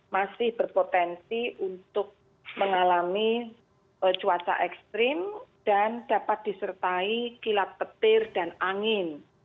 masih berpotensi untuk mengalami cuaca ekstrim dan dapat disertai kilat petir dan angin